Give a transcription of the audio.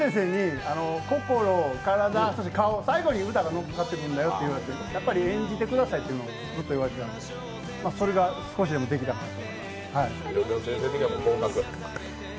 心、体、顔、最後にのっかってくるんだよって言われてやっぱり演じてくださいというのをずっと言われていたので、それが少しでもできたかなと。